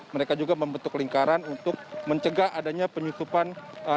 mereka juga membentuk lingkaran untuk mencegah adanya penyusupan